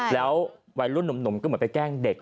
แล้ววัยรุ่นหนุ่มก็เหมือนไปแกล้งเด็ก